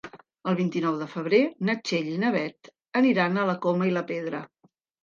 El vint-i-nou de febrer na Txell i na Beth aniran a la Coma i la Pedra.